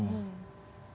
tuh pulang enggak dipulang